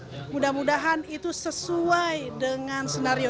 dan mudah mudahan itu sesuai dengan senario